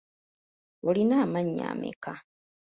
Olina amannya ameka?